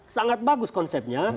sangat bagus konsepnya